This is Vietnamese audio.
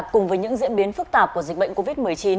cùng với những diễn biến phức tạp của dịch bệnh covid một mươi chín